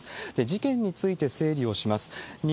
事件について整理をします。